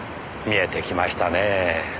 見えてきましたねえ。